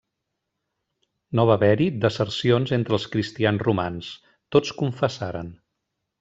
No va haver-hi desercions entre els cristians romans, tots confessaren.